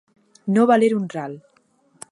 No valer un ral.